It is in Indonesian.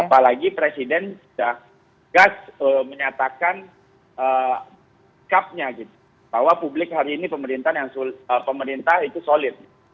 apalagi presiden sudah gas menyatakan sikapnya bahwa publik hari ini pemerintah itu solid